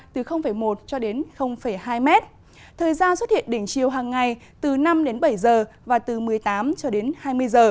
từ một m cho đến hai m thời gian xuất hiện đỉnh chiều hàng ngày từ năm bảy h và từ một mươi tám h cho đến hai mươi h